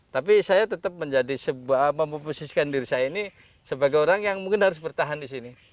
tapi saya tetap menjadi sebuah memposisikan diri saya ini sebagai orang yang mungkin harus bertahan di sini